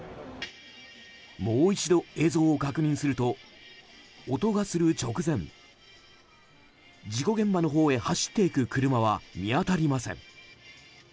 もう一度、映像を確認すると音がする直前事故現場のほうへ走っていく車は見当たりません。